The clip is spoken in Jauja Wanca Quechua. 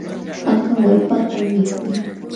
Anka wallpatan mikun.